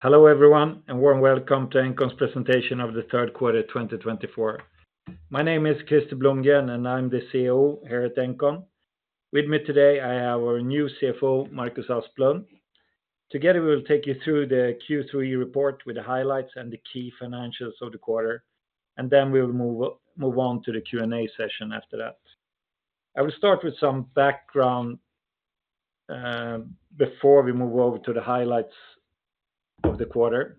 Hello, everyone, and warm welcome to Engcon's presentation of the third quarter, twenty twenty-four. My name is Krister Blomgren, and I'm the CEO here at Engcon. With me today, I have our new CFO, Marcus Asplund. Together, we will take you through the Q3 report with the highlights and the key financials of the quarter, and then we will move on to the Q&A session after that. I will start with some background before we move over to the highlights of the quarter.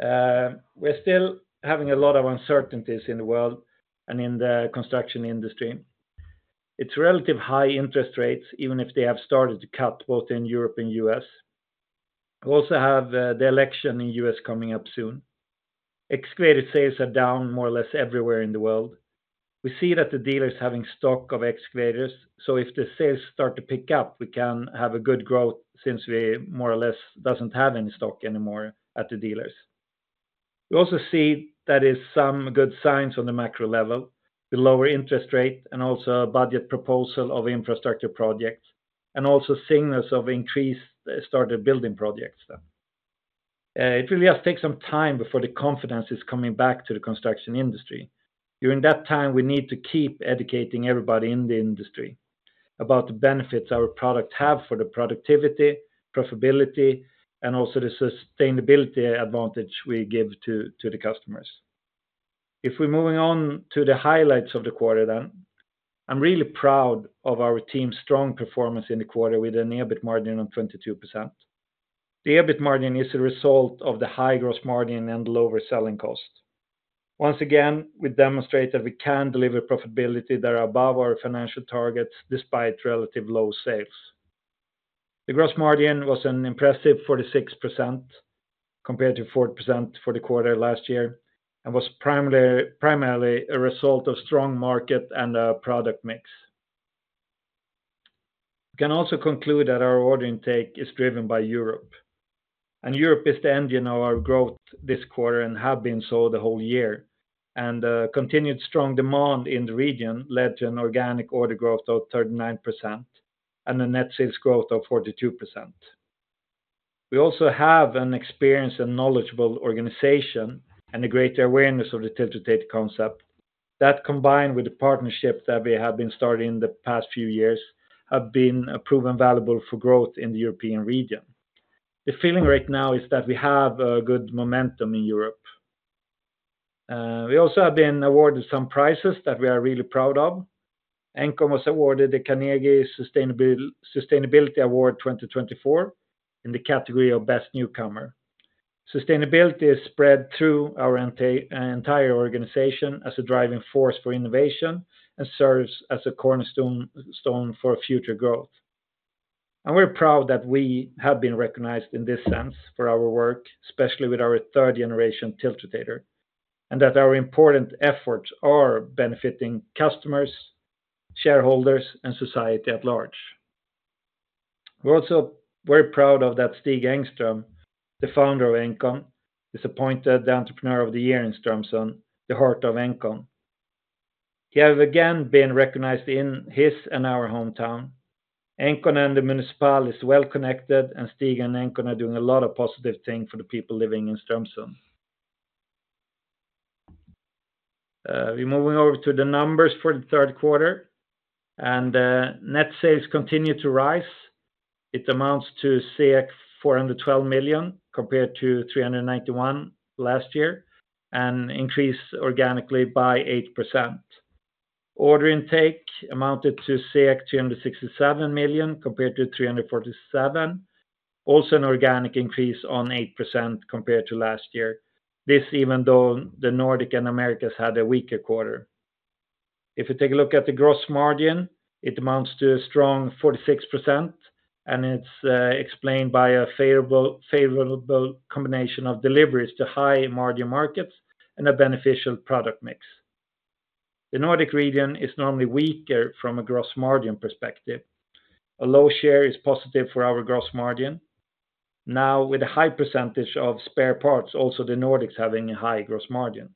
We're still having a lot of uncertainties in the world and in the construction industry. It's relatively high interest rates, even if they have started to cut both in Europe and U.S. We also have the election in U.S. coming up soon. Excavator sales are down more or less everywhere in the world. We see that the dealers having stock of excavators, so if the sales start to pick up, we can have a good growth since we more or less doesn't have any stock anymore at the dealers. We also see that is some good signs on the macro level, the lower interest rate, and also a budget proposal of infrastructure projects, and also signals of increased started building projects then. It will just take some time before the confidence is coming back to the construction industry. During that time, we need to keep educating everybody in the industry about the benefits our product have for the productivity, profitability, and also the sustainability advantage we give to the customers. If we're moving on to the highlights of the quarter then, I'm really proud of our team's strong performance in the quarter with an EBIT margin of 22%. The EBIT margin is a result of the high gross margin and lower selling cost. Once again, we demonstrate that we can deliver profitability that are above our financial targets despite relative low sales. The gross margin was an impressive 46% compared to 40% for the quarter last year, and was primarily a result of strong market and product mix. We can also conclude that our order intake is driven by Europe, and Europe is the engine of our growth this quarter and have been so the whole year. Continued strong demand in the region led to an organic order growth of 39% and a net sales growth of 42%. We also have an experienced and knowledgeable organization and a great awareness of the tiltrotator concept. That, combined with the partnerships that we have been starting in the past few years, have been proven valuable for growth in the European region. The feeling right now is that we have a good momentum in Europe. We also have been awarded some prizes that we are really proud of. Engcon was awarded the Carnegie Sustainability Award 2024 in the category of Best Newcomer. Sustainability is spread through our entire organization as a driving force for innovation and serves as a cornerstone for future growth. And we're proud that we have been recognized in this sense for our work, especially with our third generation tiltrotator, and that our important efforts are benefiting customers, shareholders, and society at large. We're also very proud of that Stig Engström, the founder of Engcon, is appointed the Entrepreneur of the Year in Strömsund, the heart of Engcon. He have again been recognized in his and our hometown. Engcon and the municipality is well connected, and Stig and Engcon are doing a lot of positive things for the people living in Strömsund. We're moving over to the numbers for the third quarter, and net sales continue to rise. It amounts to 412 million, compared to 391 last year, and increased organically by 8%. Order intake amounted to 367 million, compared to 347. Also, an organic increase of 8% compared to last year. This, even though the Nordic and Americas had a weaker quarter. If you take a look at the gross margin, it amounts to a strong 46%, and it's explained by a favorable combination of deliveries to high-margin markets and a beneficial product mix. The Nordics region is normally weaker from a gross margin perspective. A low share is positive for our gross margin. Now, with a high percentage of spare parts, also the Nordics having a high gross margin.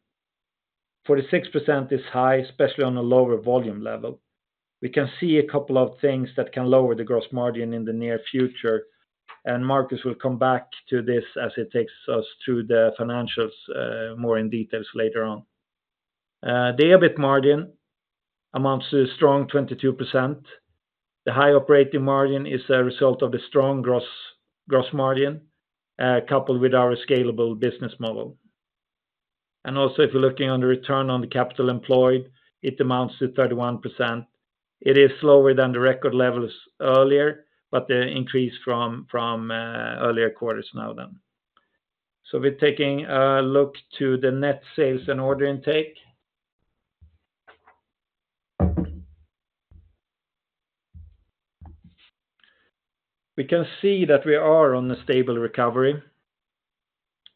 46% is high, especially on a lower volume level. We can see a couple of things that can lower the gross margin in the near future, and Marcus will come back to this as it takes us through the financials, more in details later on. The EBIT margin amounts to a strong 22%. The high operating margin is a result of the strong gross margin, coupled with our scalable business model, and also, if you're looking on the return on the capital employed, it amounts to 31%. It is slower than the record levels earlier, but the increase from earlier quarters now then. We're taking a look at the net sales and order intake. We can see that we are on a stable recovery.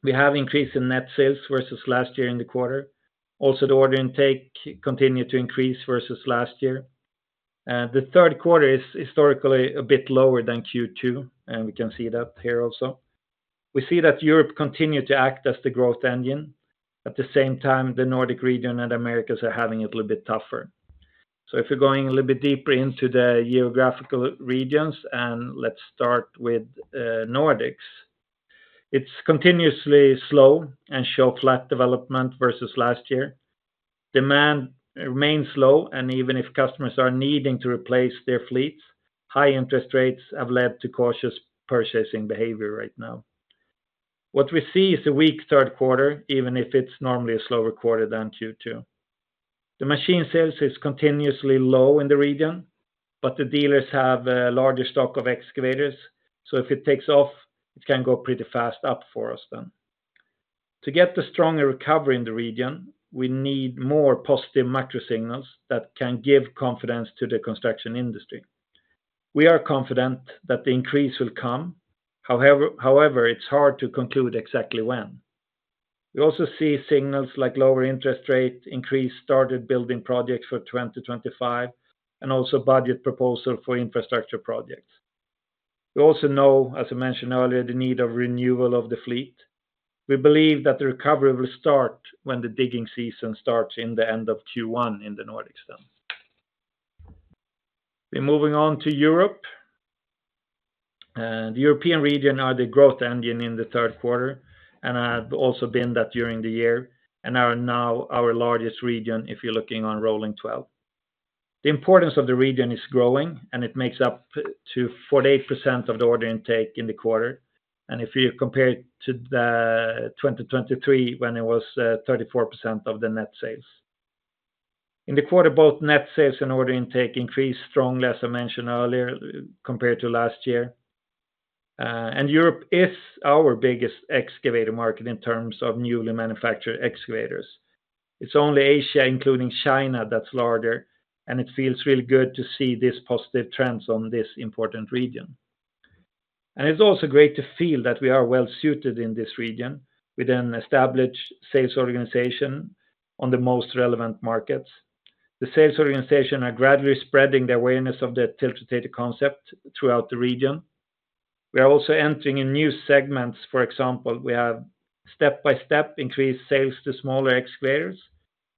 We have increased in net sales versus last year in the quarter. Also, the order intake continued to increase versus last year. The third quarter is historically a bit lower than Q2, and we can see that here also. We see that Europe continued to act as the growth engine. At the same time, the Nordic region and Americas are having it a little bit tougher. If you're going a little bit deeper into the geographical regions, and let's start with Nordics. It's continuously slow and showing flat development versus last year. Demand remains low, and even if customers are needing to replace their fleets, high interest rates have led to cautious purchasing behavior right now. What we see is a weak third quarter, even if it's normally a slower quarter than Q2. The machine sales is continuously low in the region, but the dealers have a larger stock of excavators. So if it takes off, it can go pretty fast up for us then. To get the stronger recovery in the region, we need more positive macro signals that can give confidence to the construction industry. We are confident that the increase will come, however, it's hard to conclude exactly when. We also see signals like lower interest rate, increased started building projects for 2025, and also budget proposal for infrastructure projects. We also know, as I mentioned earlier, the need of renewal of the fleet. We believe that the recovery will start when the digging season starts in the end of Q1 in the Nordics then. We're moving on to Europe. The European region are the growth engine in the third quarter, and have also been that during the year, and are now our largest region, if you're looking on rolling twelve. The importance of the region is growing, and it makes up to 48% of the order intake in the quarter. And if you compare it to the 2023, when it was, 34% of the net sales. In the quarter, both net sales and order intake increased strongly, as I mentioned earlier, compared to last year. And Europe is our biggest excavator market in terms of newly manufactured excavators. It's only Asia, including China, that's larger, and it feels really good to see this positive trends on this important region. And it's also great to feel that we are well-suited in this region with an established sales organization on the most relevant markets. The sales organization are gradually spreading the awareness of the tiltrotator concept throughout the region. We are also entering in new segments, for example, we have step-by-step increased sales to smaller excavators,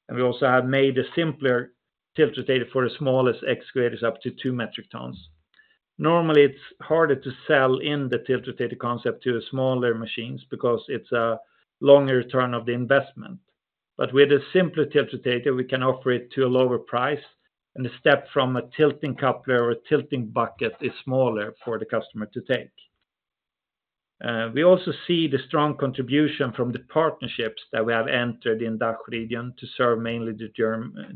and we also have made a simpler tiltrotator for the smallest excavators up to two metric tons. Normally, it's harder to sell in the tiltrotator concept to smaller machines because it's a longer return of the investment. But with a simpler tiltrotator, we can offer it to a lower price, and the step from a tilting coupler or a tilting bucket is smaller for the customer to take. We also see the strong contribution from the partnerships that we have entered in that region to serve mainly the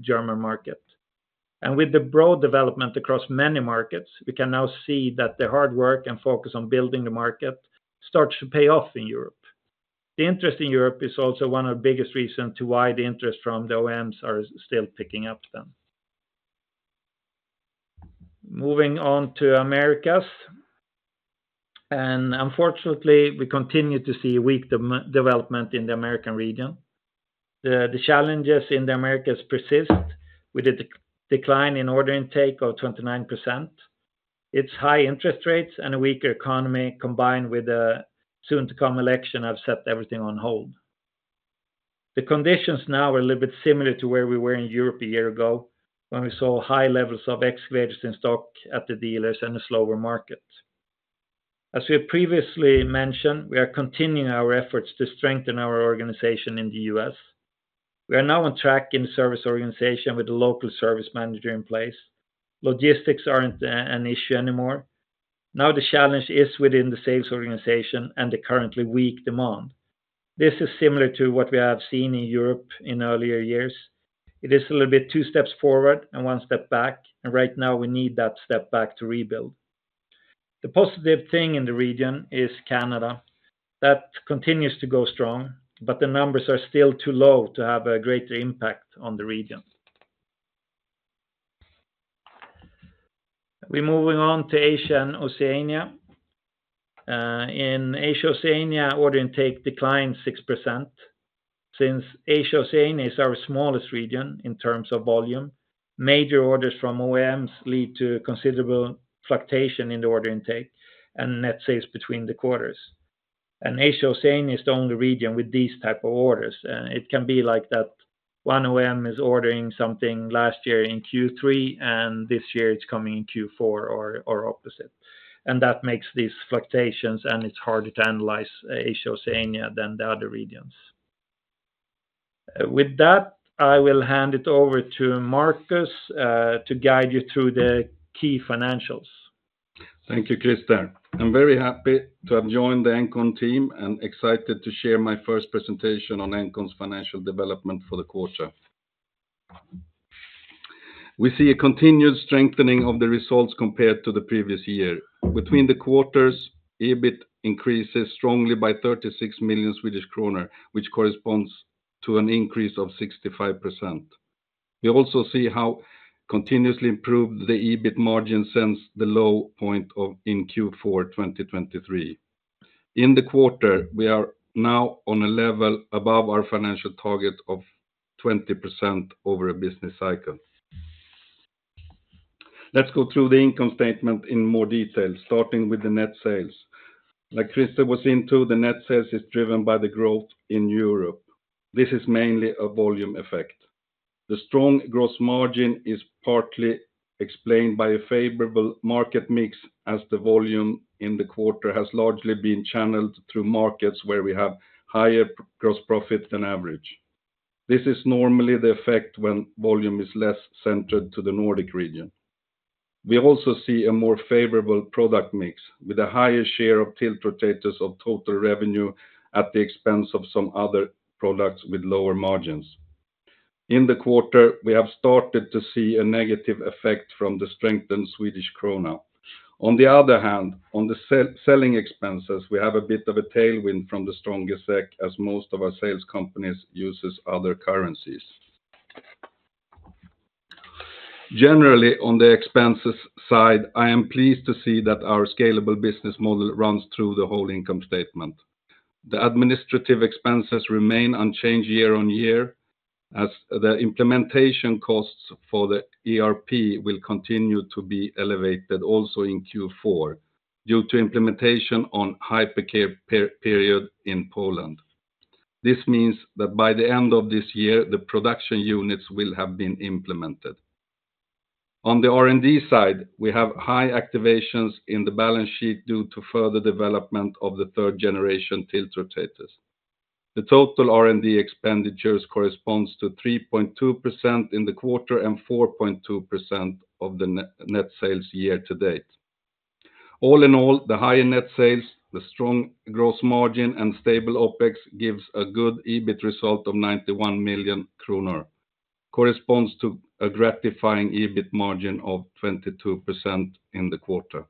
German market. With the broad development across many markets, we can now see that the hard work and focus on building the market starts to pay off in Europe. The interest in Europe is also one of the biggest reason to why the interest from the OEMs are still picking up then. Moving on to Americas. Unfortunately, we continue to see weak development in the American region. The challenges in the Americas persist with a decline in order intake of 29%. It's high interest rates and a weaker economy, combined with a soon-to-come election, have set everything on hold. The conditions now are a little bit similar to where we were in Europe a year ago, when we saw high levels of excavators in stock at the dealers and a slower market. As we have previously mentioned, we are continuing our efforts to strengthen our organization in the U.S. We are now on track in the service organization with a local service manager in place. Logistics aren't an issue anymore. Now, the challenge is within the sales organization and the currently weak demand. This is similar to what we have seen in Europe in earlier years. It is a little bit two steps forward and one step back, and right now, we need that step back to rebuild. The positive thing in the region is Canada. That continues to go strong, but the numbers are still too low to have a greater impact on the region. We're moving on to Asia and Oceania. In Asia-Oceania, order intake declined 6%. Since Asia-Oceania is our smallest region in terms of volume, major orders from OEMs lead to considerable fluctuation in the order intake and net sales between the quarters, and Asia-Oceania is the only region with these type of orders. It can be like that one OEM is ordering something last year in Q3, and this year it's coming in Q4 or opposite, and that makes these fluctuations, and it's harder to analyze Asia-Oceania than the other regions. With that, I will hand it over to Marcus to guide you through the key financials. Thank you, Krister. I'm very happy to have joined the Engcon team and excited to share my first presentation on Engcon's financial development for the quarter. We see a continued strengthening of the results compared to the previous year. Between the quarters, EBIT increases strongly by 36 million Swedish kronor, which corresponds to an increase of 65%. We also see how the EBIT margin has continuously improved since the low point in Q4 2023. In the quarter, we are now on a level above our financial target of 20% over a business cycle... Let's go through the income statement in more detail, starting with the net sales. As Krister went into, the net sales is driven by the growth in Europe. This is mainly a volume effect. The strong gross margin is partly explained by a favorable market mix, as the volume in the quarter has largely been channeled through markets where we have higher gross profit than average. This is normally the effect when volume is less centered to the Nordic region. We also see a more favorable product mix, with a higher share of tiltrotators of total revenue at the expense of some other products with lower margins. In the quarter, we have started to see a negative effect from the strengthened Swedish krona. On the other hand, on the selling expenses, we have a bit of a tailwind from the stronger SEK, as most of our sales companies uses other currencies. Generally, on the expenses side, I am pleased to see that our scalable business model runs through the whole income statement. The administrative expenses remain unchanged year on year, as the implementation costs for the ERP will continue to be elevated also in Q4, due to implementation on hypercare period in Poland. This means that by the end of this year, the production units will have been implemented. On the R&D side, we have high activations in the balance sheet due to further development of the third generation tiltrotators. The total R&D expenditures corresponds to 3.2% in the quarter, and 4.2% of the net sales year to date. All in all, the higher net sales, the strong gross margin, and stable OpEx gives a good EBIT result of 91 million kronor, corresponds to a gratifying EBIT margin of 22% in the quarter.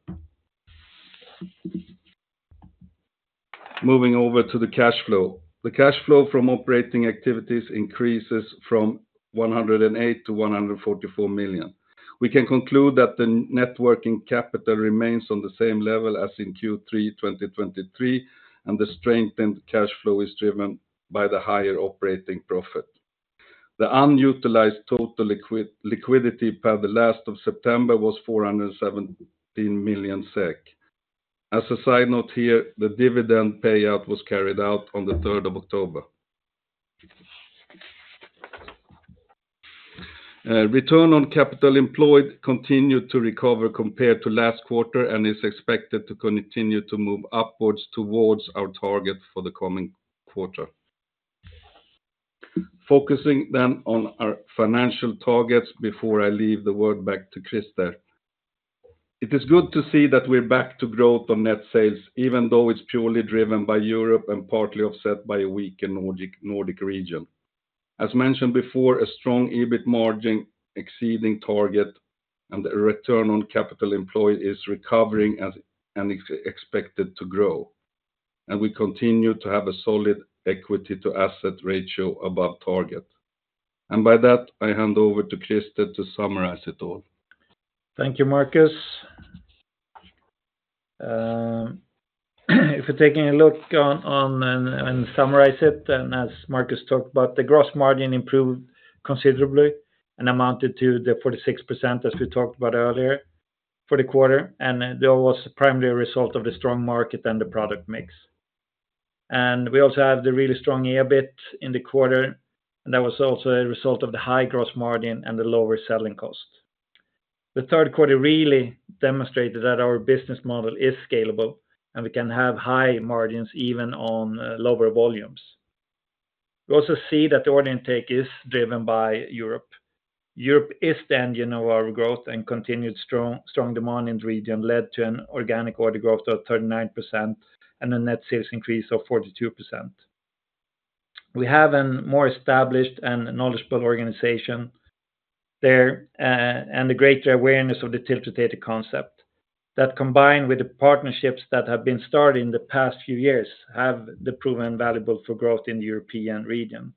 Moving over to the cash flow. The cash flow from operating activities increases from 108 to 144 million. We can conclude that the net working capital remains on the same level as in Q3 2023, and the strengthened cash flow is driven by the higher operating profit. The unutilized total liquidity as of the end of September was 417 million SEK. As a side note here, the dividend payout was carried out on the third of October. Return on capital employed continued to recover compared to last quarter, and is expected to continue to move upwards towards our target for the coming quarter. Focusing then on our financial targets before I hand the word back to Krister. It is good to see that we're back to growth on net sales, even though it's purely driven by Europe and partly offset by a weakness in Nordic, Nordic region. As mentioned before, a strong EBIT margin exceeding target and a return on capital employed is recovering as and expected to grow, and we continue to have a solid equity to asset ratio above target. By that, I hand over to Krister to summarize it all. Thank you, Marcus. If you're taking a look on it and summarize it, then as Marcus talked about, the gross margin improved considerably and amounted to the 46%, as we talked about earlier, for the quarter, and that was primarily a result of the strong market and the product mix, and we also have the really strong EBIT in the quarter, and that was also a result of the high gross margin and the lower selling cost. The third quarter really demonstrated that our business model is scalable, and we can have high margins even on lower volumes. We also see that the order intake is driven by Europe. Europe is the engine of our growth, and continued strong demand in the region led to an organic order growth of 39% and a net sales increase of 42%. We have a more established and knowledgeable organization there, and a greater awareness of the tiltrotator concept. That, combined with the partnerships that have been started in the past few years, have proven valuable for growth in the European region,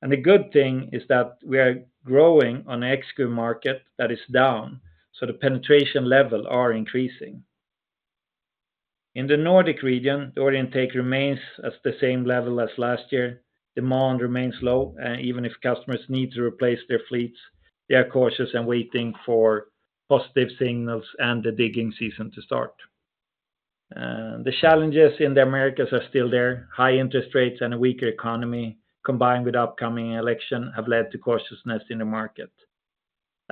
and the good thing is that we are growing on ex-EU market that is down, so the penetration level are increasing. In the Nordic region, the order intake remains at the same level as last year. Demand remains low, even if customers need to replace their fleets, they are cautious and waiting for positive signals and the digging season to start. The challenges in the Americas are still there. High interest rates and a weaker economy, combined with upcoming election, have led to cautiousness in the market.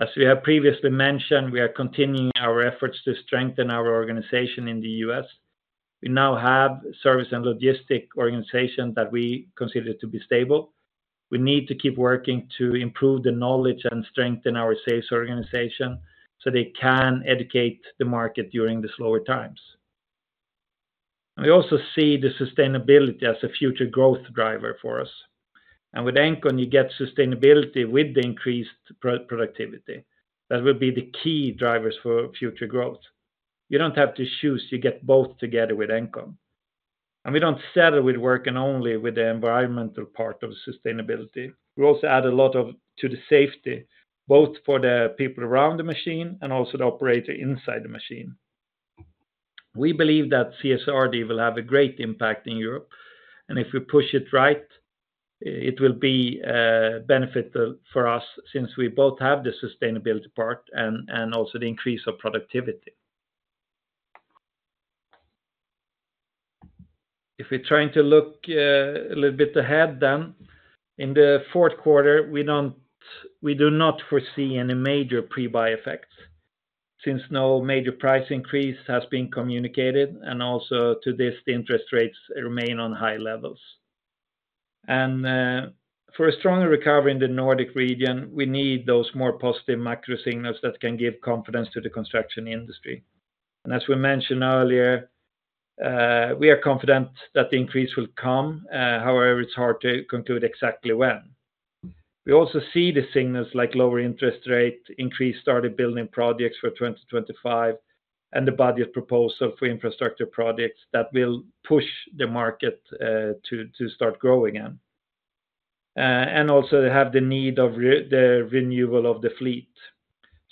As we have previously mentioned, we are continuing our efforts to strengthen our organization in the U.S. We now have a service and logistics organization that we consider to be stable. We need to keep working to improve the knowledge and strengthen our sales organization, so they can educate the market during the slower times, and we also see the sustainability as a future growth driver for us, and with Engcon, you get sustainability with the increased productivity. That will be the key drivers for future growth. You don't have to choose, you get both together with Engcon, and we don't settle with working only with the environmental part of sustainability. We also add a lot to the safety, both for the people around the machine and also the operator inside the machine. We believe that CSRD will have a great impact in Europe, and if we push it right, it will be benefit for us since we both have the sustainability part and also the increase of productivity. If we're trying to look a little bit ahead then, in the fourth quarter, we do not foresee any major pre-buy effects, since no major price increase has been communicated, and also to this, the interest rates remain on high levels. And for a stronger recovery in the Nordic region, we need those more positive macro signals that can give confidence to the construction industry. And as we mentioned earlier, we are confident that the increase will come, however, it's hard to conclude exactly when. We also see the signals like lower interest rate, increased started building projects for 2025, and the budget proposal for infrastructure projects that will push the market to start growing again. And also they have the need of the renewal of the fleet.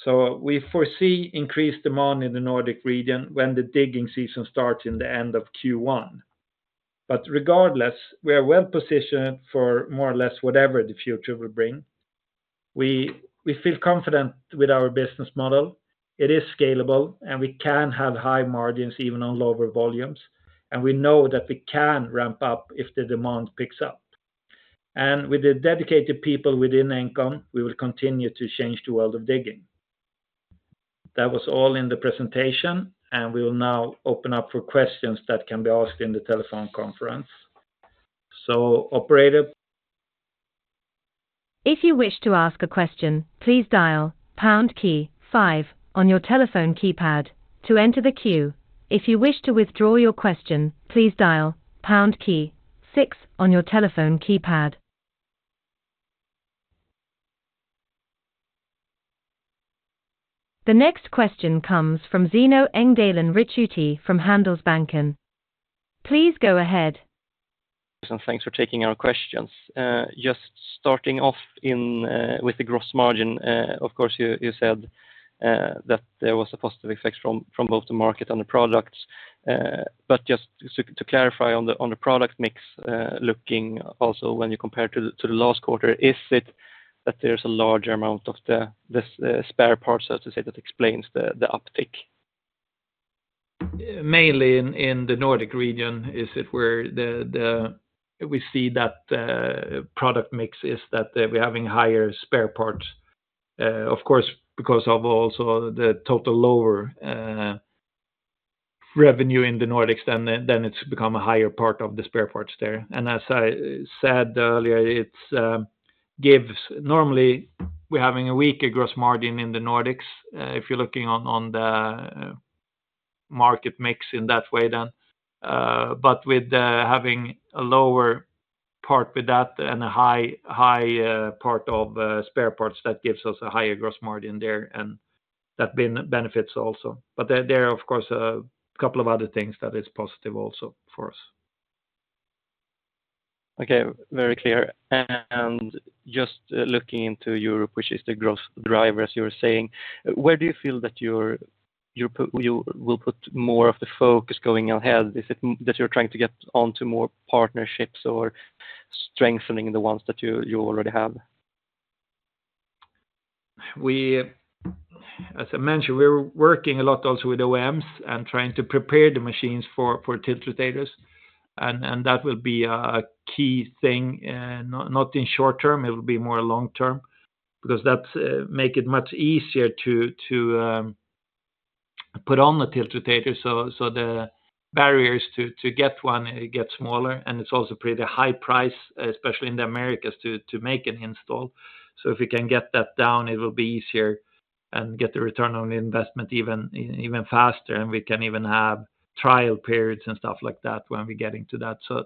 So we foresee increased demand in the Nordic region when the digging season starts in the end of Q1. But regardless, we are well positioned for more or less whatever the future will bring. We feel confident with our business model. It is scalable, and we can have high margins, even on lower volumes, and we know that we can ramp up if the demand picks up. And with the dedicated people within Engcon, we will continue to change the world of digging. That was all in the presentation, and we will now open up for questions that can be asked in the telephone conference, so operator? If you wish to ask a question, please dial pound key five on your telephone keypad to enter the queue. If you wish to withdraw your question, please dial pound key six on your telephone keypad. The next question comes from Zeno Engdahl Ricciuti from Handelsbanken. Please go ahead. Thanks for taking our questions. Just starting off with the gross margin, of course, you said that there was a positive effect from both the market and the products. But just to clarify on the product mix, looking also when you compare to the last quarter, is it that there's a larger amount of the spare parts, so to say, that explains the uptick? Mainly in the Nordic region is where we see that product mix is that we're having higher spare parts. Of course, because of also the total lower revenue in the Nordics, then it's become a higher part of the spare parts there. And as I said earlier, it gives... Normally, we're having a weaker gross margin in the Nordics, if you're looking on the market mix in that way then. But with having a lower part with that and a high part of spare parts, that gives us a higher gross margin there, and that benefits also. But there are, of course, a couple of other things that is positive also for us. Okay, very clear. And just looking into Europe, which is the growth driver, as you were saying, where do you feel that you will put more of the focus going ahead? Is it that you're trying to get onto more partnerships or strengthening the ones that you already have? We, as I mentioned, we're working a lot also with OEMs and trying to prepare the machines for tiltrotators, and that will be a key thing, not in short term. It will be more long term, because that makes it much easier to put on the tiltrotator. So the barriers to get one it gets smaller, and it's also pretty high price, especially in the Americas, to make an installation. So if we can get that down, it will be easier and get the return on the investment even faster, and we can even have trial periods and stuff like that when we get into that. So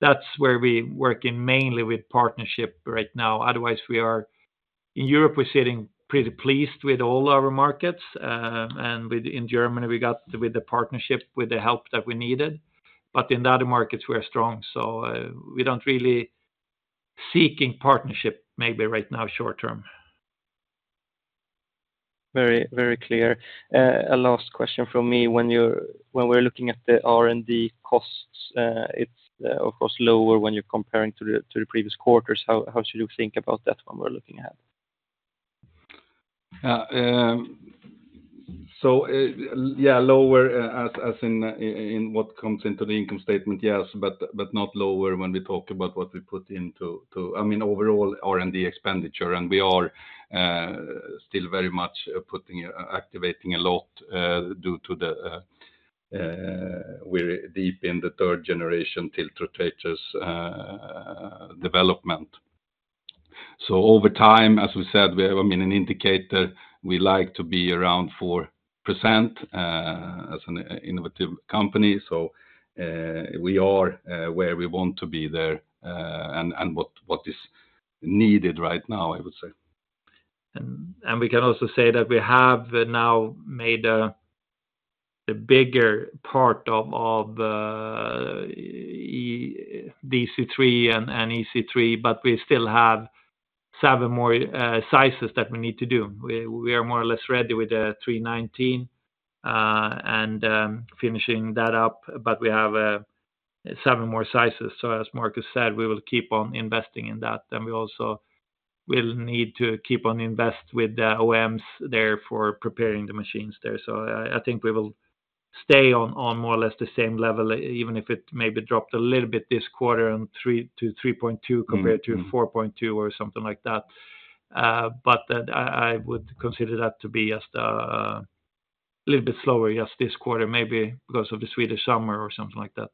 that's where we're working mainly with partnerships right now. Otherwise, we are in Europe, we're sitting pretty pleased with all our markets, and with, in Germany, we got with the partnership, with the help that we needed, but in the other markets, we are strong, so, we don't really seeking partnership maybe right now, short term. Very, very clear. A last question from me. When we're looking at the R&D costs, it's, of course, lower when you're comparing to the previous quarters. How should you think about that one we're looking at? So, yeah, lower, as in what comes into the income statement, yes, but not lower when we talk about what we put into to... I mean, overall R&D expenditure, and we are still very much putting, activating a lot due to the we're deep in the third generation tiltrotators development. So over time, as we said, we, I mean, an indicator, we like to be around 4% as an innovative company. So, we are where we want to be there, and what is needed right now, I would say. We can also say that we have now made a bigger part of DC3 and EC3, but we still have seven more sizes that we need to do. We are more or less ready with the 319 and finishing that up, but we have seven more sizes. So as Marcus said, we will keep on investing in that. Then we also will need to keep on invest with the OEMs there for preparing the machines there. So I think we will stay on more or less the same level, even if it maybe dropped a little bit this quarter on 3-3.2. compared to four point two or something like that. But, I would consider that to be just a little bit slower, just this quarter, maybe because of the Swedish summer or something like that.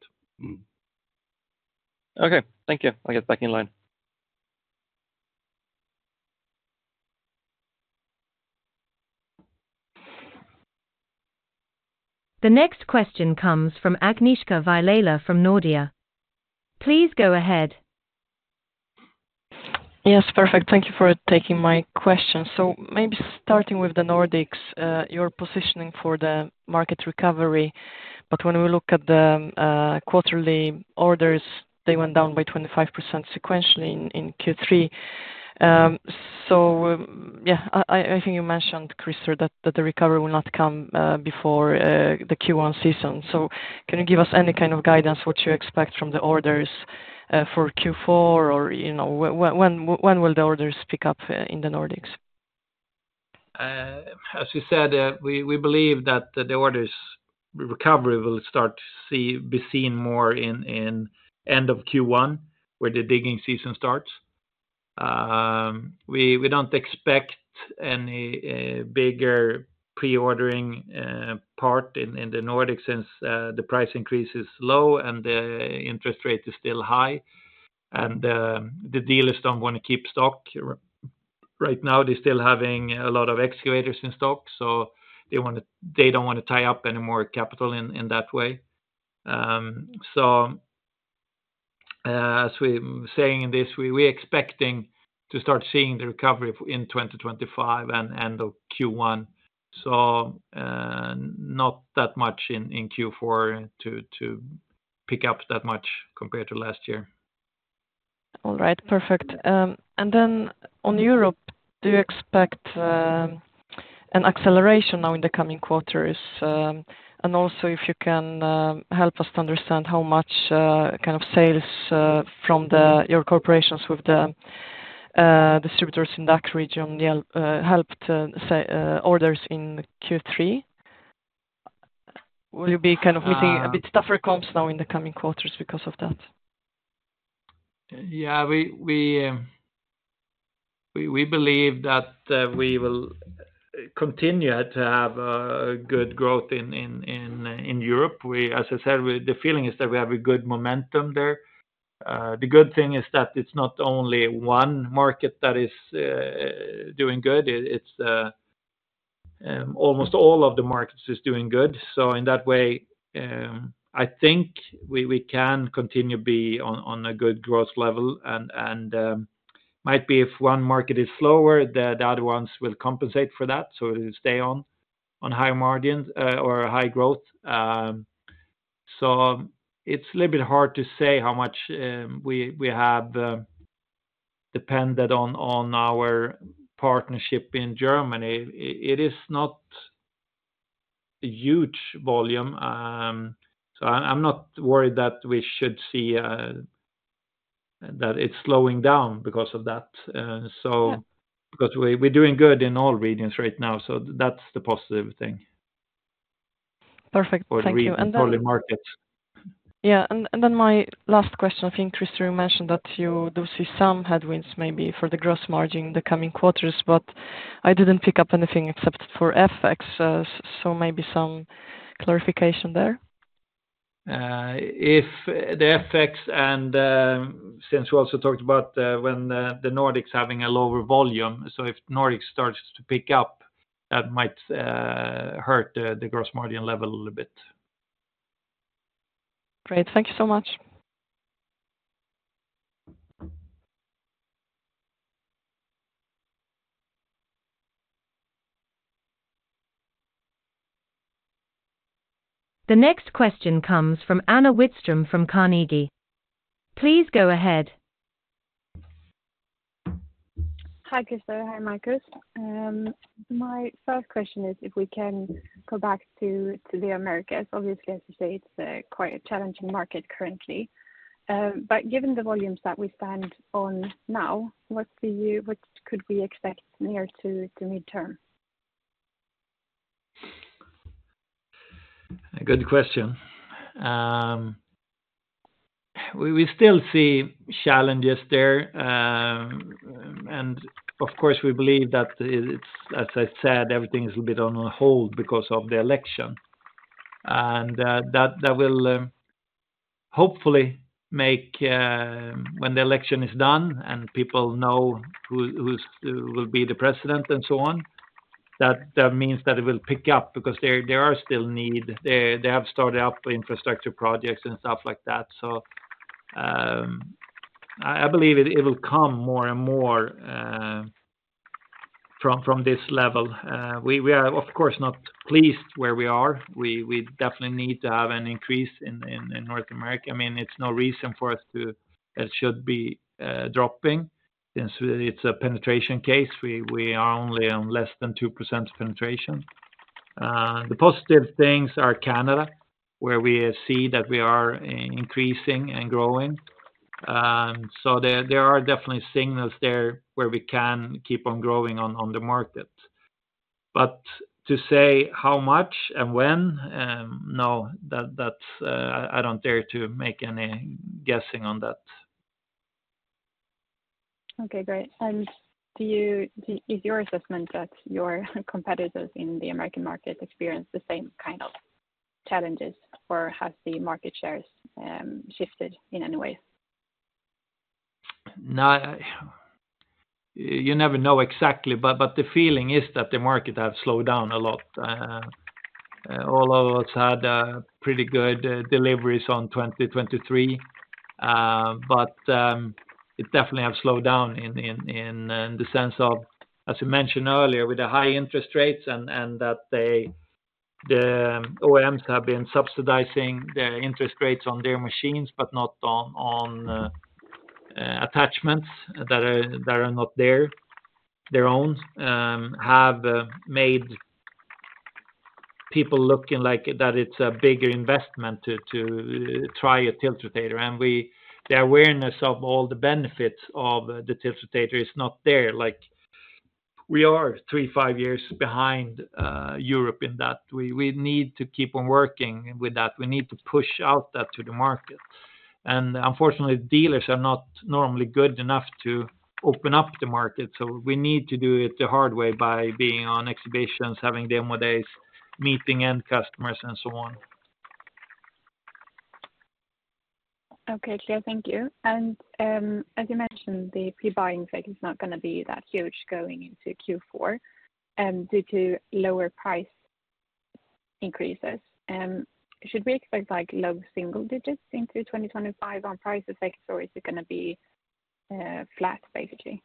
Okay. Thank you. I'll get back in line. The next question comes from Agnieszka Wielejla from Nordea. Please go ahead. Yes, perfect. Thank you for taking my question. So maybe starting with the Nordics, your positioning for the market recovery, but when we look at the quarterly orders, they went down by 25% sequentially in Q3. So, I think you mentioned, Krister, that the recovery will not come before the Q1 season. So can you give us any kind of guidance what you expect from the orders for Q4? Or, you know, when will the orders pick up in the Nordics? As you said, we believe that the orders recovery will be seen more in end of Q1, where the digging season starts. We don't expect any bigger pre-ordering part in the Nordics since the price increase is low and the interest rate is still high, and the dealers don't wanna keep stock. Right now, they're still having a lot of excavators in stock, so they don't wanna tie up any more capital in that way. So, as we're saying in this, we're expecting to start seeing the recovery in 2025 and end of Q1, so not that much in Q4 to pick up that much compared to last year. All right. Perfect. Then on Europe, do you expect an acceleration now in the coming quarters? Also, if you can help us to understand how much kind of sales from your cooperation with the distributors in that region, they helped sales orders in Q3? Will you be kind of- meeting a bit tougher comps now in the coming quarters because of that? Yeah, we believe that we will continue to have good growth in Europe. As I said, the feeling is that we have a good momentum there. The good thing is that it's not only one market that is doing good. It's almost all of the markets is doing good. So in that way, I think we can continue to be on a good growth level. And might be if one market is slower, the other ones will compensate for that, so it'll stay on high margins or high growth. So it's a little bit hard to say how much we have depended on our partnership in Germany. It is not a huge volume, so I'm not worried that we should see that it's slowing down because of that. Yeah. So because we're doing good in all regions right now, so that's the positive thing. Perfect. Thank you. For the whole markets. Yeah, and then my last question. I think, Krister, you mentioned that you do see some headwinds, maybe for the gross margin in the coming quarters, but I didn't pick up anything except for FX, so maybe some clarification there. If the FX and, since you also talked about when the Nordics having a lower volume, so if Nordics starts to pick up, that might hurt the gross margin level a little bit. Great. Thank you so much. The next question comes from Anna Widström, from Carnegie. Please go ahead. Hi, Krister. Hi, Marcus. My first question is if we can go back to the Americas. Obviously, as you say, it's quite a challenging market currently, but given the volumes that we stand on now, what could we expect near to the midterm? A good question. We still see challenges there, and of course, we believe that it's as I said, everything is a bit on hold because of the election. That will hopefully make, when the election is done and people know who will be the president and so on, that then means that it will pick up because there are still need. They have started up infrastructure projects and stuff like that. I believe it will come more and more from this level. We are of course not pleased where we are. We definitely need to have an increase in North America. I mean, it's no reason for us to it should be dropping, since it's a penetration case. We are only on less than 2% penetration. The positive things are Canada, where we see that we are increasing and growing. So there are definitely signals there where we can keep on growing on the market. But to say how much and when, no, that's, I don't dare to make any guessing on that. Okay, great. Is your assessment that your competitors in the American market experience the same kind of challenges, or has the market shares shifted in any way? No, you never know exactly, but the feeling is that the market have slowed down a lot. All of us had pretty good deliveries on 2023. But it definitely have slowed down in the sense of, as you mentioned earlier, with the high interest rates and that they, the OEMs have been subsidizing their interest rates on their machines, but not on attachments that are not their own, have made people looking like that it's a bigger investment to try a tiltrotator, and the awareness of all the benefits of the tiltrotator is not there. Like, we are 3-5 years behind Europe in that. We need to keep on working with that. We need to push out that to the market. Unfortunately, dealers are not normally good enough to open up the market, so we need to do it the hard way by being on exhibitions, having demo days, meeting end customers, and so on. Okay, clear. Thank you. And, as you mentioned, the pre-buy effect is not gonna be that huge going into Q4, due to lower price increases. Should we expect, like, low single digits into twenty twenty-five on price effect, or is it gonna be, flat, basically?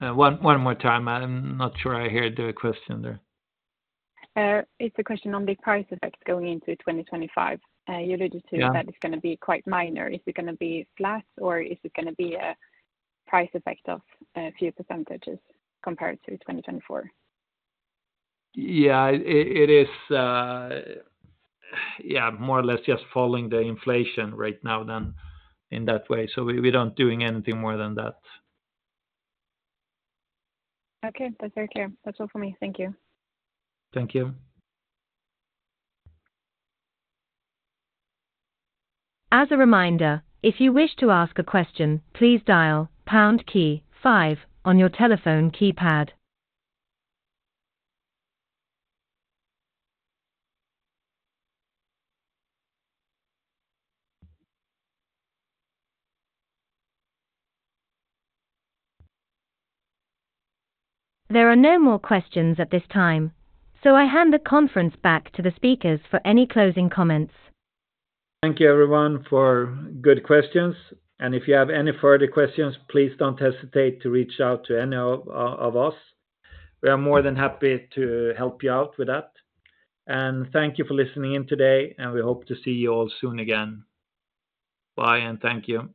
One more time. I'm not sure I heard the question there. It's a question on the price effect going into 2025. You alluded to- Yeah... that it's gonna be quite minor. Is it gonna be flat, or is it gonna be a price effect of a few percentages compared to 2024? Yeah, it is. Yeah, more or less just following the inflation right now than in that way. So we don't doing anything more than that. Okay. That's very clear. That's all for me. Thank you. Thank you. As a reminder, if you wish to ask a question, please dial pound key five on your telephone keypad. There are no more questions at this time, so I hand the conference back to the speakers for any closing comments. Thank you, everyone, for good questions. And if you have any further questions, please don't hesitate to reach out to any of us. We are more than happy to help you out with that. And thank you for listening in today, and we hope to see you all soon again. Bye, and thank you.